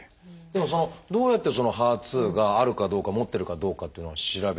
でもどうやってそのＨＥＲ２があるかどうか持ってるかどうかっていうのを調べていくんでしょう？